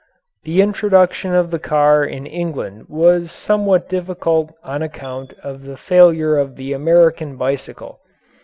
The introduction of the car in England was somewhat difficult on account of the failure of the American bicycle.